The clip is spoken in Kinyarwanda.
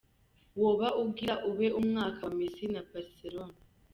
Woba ugira ube umwaka wa Messi na Barcelona?.